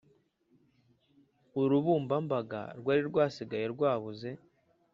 Urubumbambaga rwari rusigaye rwabuze